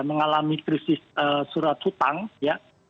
mengalami krisis surat hutang ya